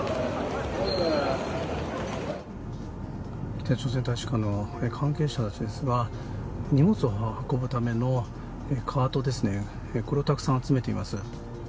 北朝鮮大使館の関係者たちですが荷物を運ぶためのカートをたくさん集めています。